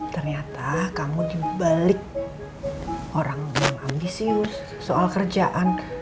ternyata kamu dibalik orang yang ambisius soal kerjaan